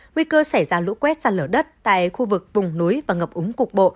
nguy cơ xảy ra lũ quét ra lở đất tại khu vực vùng núi và ngập úng cục bộ